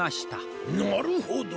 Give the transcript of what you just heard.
なるほど。